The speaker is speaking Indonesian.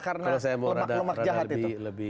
karena lemak lemak jahat itu